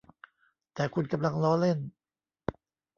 แต่คุณกำลังล้อเล่น